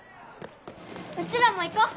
うちらも行こう。